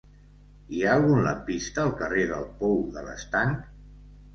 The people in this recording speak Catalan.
Hi ha algun lampista al carrer del Pou de l'Estanc?